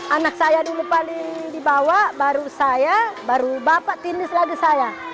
anak saya dulu paling dibawa baru saya baru bapak tilis lagi saya